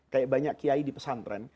kayak banyak kiai di pesantren